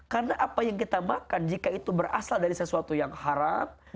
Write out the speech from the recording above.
karena apa yang kita makan jika itu berasal dari sesuatu yang haram